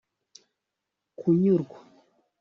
kunyurwa